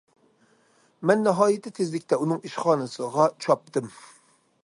مەن ناھايىتى تېزلىكتە ئۇنىڭ ئىشخانىسىغا چاپتىم.